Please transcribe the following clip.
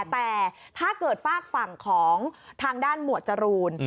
แต่ถ้าเกิดฝากฝั่งของทางด้านหมวดจรูน